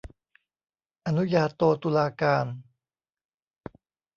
อนุญาโตตุลาการ